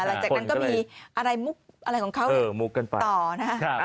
หลังจากนั้นก็มีอะไรมุกอะไรของเขาต่อนะคะ